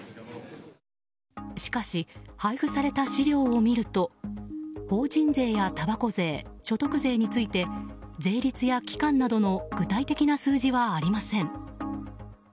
しかし、配布された資料を見ると法人税や、たばこ税所得税について税率や期間などの具体的な数字はありません。